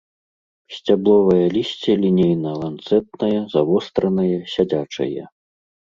Сцябловае лісце лінейна-ланцэтнае, завостранае, сядзячае.